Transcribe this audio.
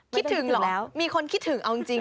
คิดถึงเหรอมีคนคิดถึงเอาจริง